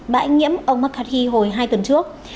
bãi nhiễm ông mccarthy hồi hai tuần trước